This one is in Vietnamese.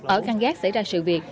ở khăn gác xảy ra sự việc